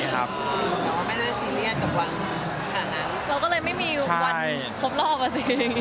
เราก็เลยไม่มีวันครบรอบอะสิ